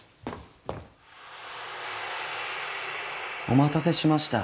お待たせしました。